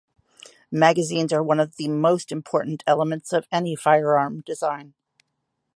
Magazines are one of the most important elements of any firearm design.